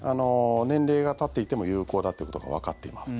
年齢がたっていても有効だということがわかっています。